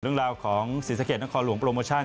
เรื่องราวของศรีสะเกดนครหลวงโปรโมชั่น